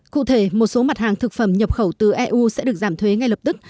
cụ thể một số mặt hàng thực phẩm nhập khẩu từ eu sẽ được giảm thuế ngay lập tức